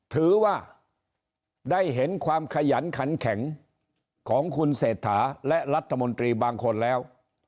ถือว่าได้เห็นความขยันขันแข็งของคุณเศรษฐาและรัฐมนตรีบางคนแล้ว